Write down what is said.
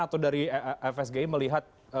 atau dari fsgi melihat